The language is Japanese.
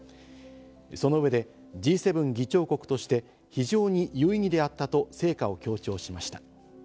その上で、Ｇ７議長国として、非常に有意義であったと成果を強調しました。